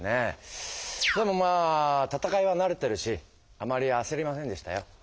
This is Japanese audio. でもまあ戦いは慣れてるしあまりあせりませんでしたよ。